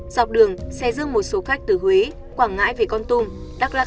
dọc đường xe dưng một số khách từ huế quảng ngãi về con tùng